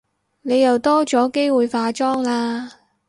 你又多咗機會化妝喇